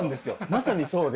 まさにそうで。